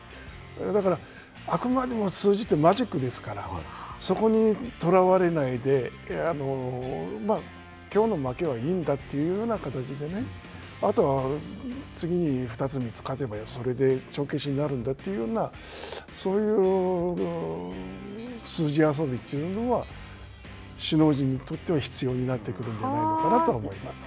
だから、あくまでも数字って、マジックですから、そこにとらわれないで、きょうの負けはいいんだというような形であとは次に２つ３つ勝てば、それで帳消しになるんだというような、そういう数字遊びというのは、首脳陣にとっては必要になってくるんじゃないかなと思います。